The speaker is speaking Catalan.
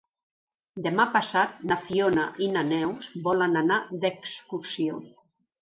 Demà passat na Fiona i na Neus volen anar d'excursió.